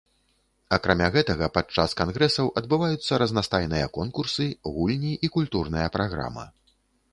Акрамя гэтага падчас кангрэсаў адбываюцца разнастайныя конкурсы, гульні і культурная праграма.